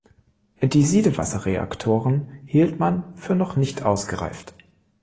Die Siedewasserreaktoren hielt man für noch nicht ausgereift.